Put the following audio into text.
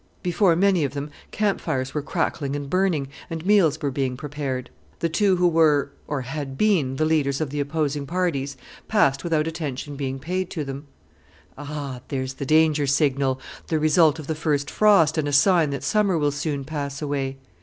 Before many of them camp fires were crackling and burning, and meals were being prepared. The two who were or had been the leaders of the opposing parties passed without attention being paid to them. "Ah! there's the danger signal, the result of the first frost, and a sign that summer will soon pass away."